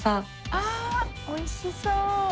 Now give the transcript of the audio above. ああおいしそう。